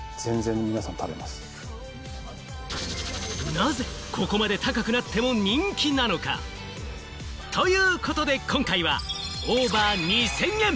なぜここまで高くなっても人気なのか？ということで今回はオーバー２０００円！